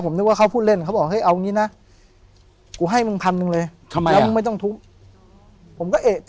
ไม่อยากให้มึงเจอเรื่องราว